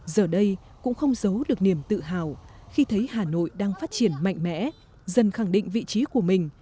giờ đây cũng không giấu được niềm tự hào khi thấy hà nội đang phát triển mạnh mẽ dần khẳng định vị trí của mình